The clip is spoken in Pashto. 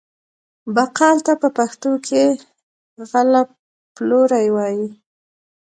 بقال ته په پښتو کې غله پلوری وايي.